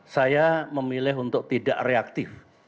saya memilih untuk tidak reaktif